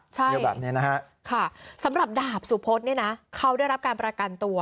ใช่ค่ะสำหรับดาบสุพธิ์นี่นะเขาได้รับการประกันตัว